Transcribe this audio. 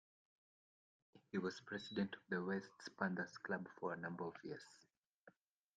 He was President of the Wests Panthers club for a number of years.